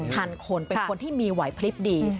ทันคนเป็นคนที่มีไหวพลิบดี